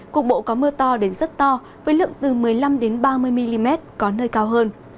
cục bộ có mưa to đến rất to với lượng từ một mươi năm ba mươi mm có nơi cao hơn